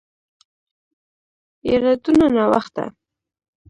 يره دونه ناوخته.